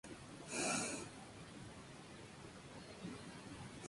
Está en peligro de extinción.